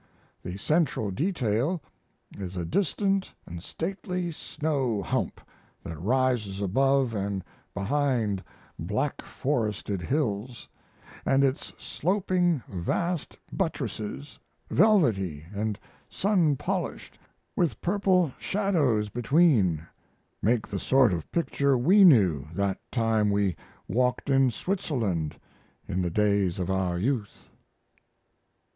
The central detail is a distant & stately snow hump that rises above & behind black forested hills, & its sloping vast buttresses, velvety & sun polished, with purple shadows between, make the sort of picture we knew that time we walked in Switzerland in the days of our youth.